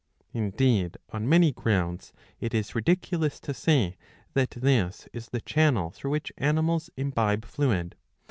Indeed on many grounds it is ridiculous to say that this is the channel through which animals imbibe fluid.